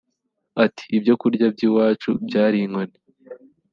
Ati “Ibyo kurya by’iwacu byari inkoni